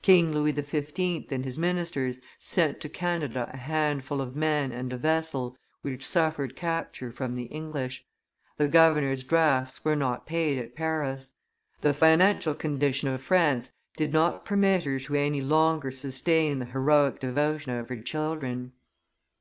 King Louis XV. and his ministers sent to Canada a handful of men and a vessel which suffered capture from the English; the governor's drafts were not paid at Paris. The financial condition of France did not permit her to any longer sustain the heroic devotion of her children.